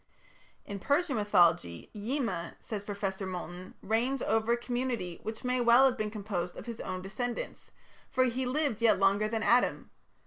In Persian mythology "Yima", says Professor Moulton, "reigns over a community which may well have been composed of his own descendants, for he lived yet longer than Adam.